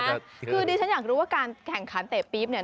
คือดิฉันอยากรู้ว่าการแข่งขันเตะปี๊บเนี่ย